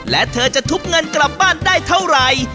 และเธอจะทุบเงินกลับบ้านได้เท่าไหร่